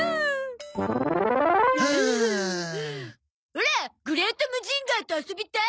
オラグレイトムジンガーと遊びたい！